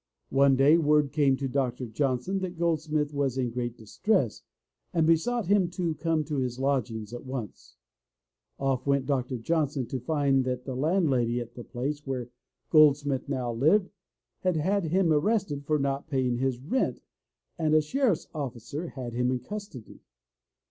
One day word came to Dr. Johnson that Goldsmith was in great distress and besought him to come to his lodgings at once. Off went Dr. Johnson to find that the landlady at the place where Goldsmith now lived had had him arrested for not paying his rent and a sheriff's officer had him in custody.